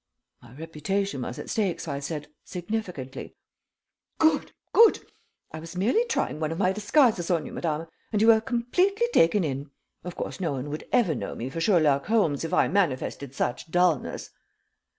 My reputation was at stake, so I said, significantly: "Good! Good! I was merely trying one of my disguises on you, madame, and you were completely taken in. Of course no one would ever know me for Sherlock Holmes if I manifested such dullness."